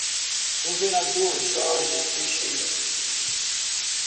Governador Jorge Teixeira